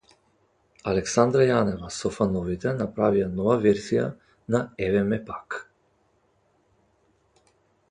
Александра Јанева со фановите направија нова верзија на „Еве ме пак“